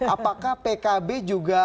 apakah pkb juga